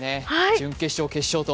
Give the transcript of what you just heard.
準決勝、決勝と。